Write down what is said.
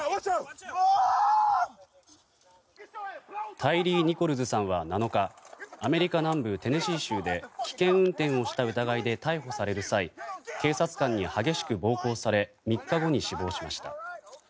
タイリー・ニコルズさんは７日アメリカ南部テネシー州で危険運転をした疑いで逮捕される際警察官に激しく暴行され３日後に死亡しました。